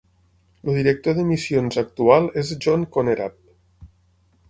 El director de missions actual és Jon Konnerup.